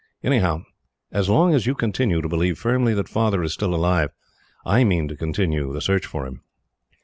Anyhow, as long as you continue to believe firmly that Father is still alive, I mean to continue the search for him."